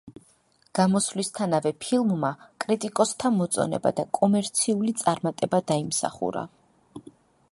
გამოსვლისთანავე ფილმმა კრიტიკოსთა მოწონება და კომერციული წარმატება დაიმსახურა.